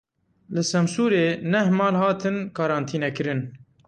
Li Semsûrê neh mal hatin karantînekirin.